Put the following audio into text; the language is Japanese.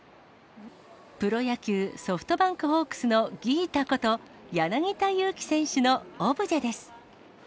プロ野球・ソフトバンクホークスのギータこと、柳田悠岐選手のオブジェです。